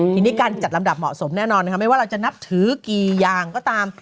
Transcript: ทีนี้การจัดลำดับเหมาะสมแน่นอนนะคะไม่ว่าเราจะนับถือกี่อย่างก็ตาม